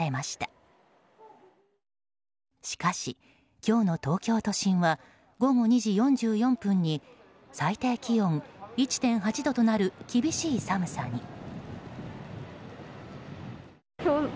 しかし、今日の東京都心は午後２時４４分に最低気温１．８度となる厳しい寒さに。